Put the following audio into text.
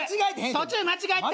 途中間違えてた。